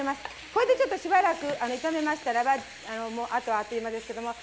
これでちょっとしばらく炒めましたらばあとはアッという間ですけども。